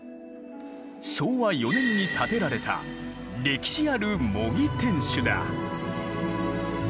昭和４年に建てられた歴史ある模擬天守だ。